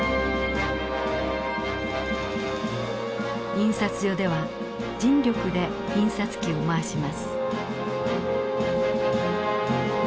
印刷所では人力で印刷機を回します。